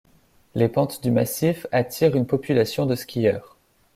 Les pentes du massif attirent une population de skieurs.